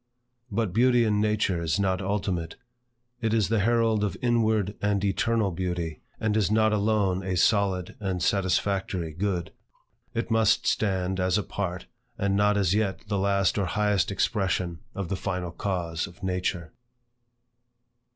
But beauty in nature is not ultimate. It is the herald of inward and eternal beauty, and is not alone a solid and satisfactory good. It must stand as a part, and not as yet the last or highest expression of the final cause of Nature.